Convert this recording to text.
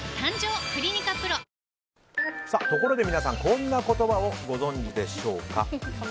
ところで皆さんこんな言葉をご存じでしょうか。